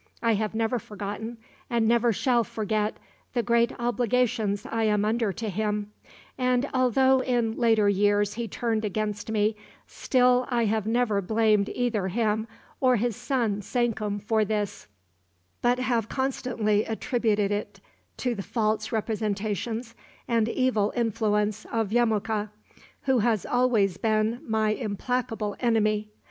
I have never forgotten, and never shall forget, the great obligations I am under to him; and although in later years he turned against me, still I have never blamed either him or his son Sankum for this, but have constantly attributed it to the false representations and evil influence of Yemuka, who has always been my implacable enemy.